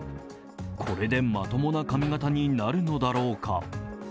これでまともな髪型になるのだろうか。